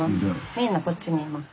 みんなこっちにいます。